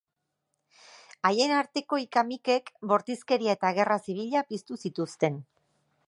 Haien arteko ika-mikek bortizkeria eta gerra zibila piztu zituzten.